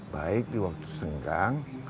baik di waktu senggang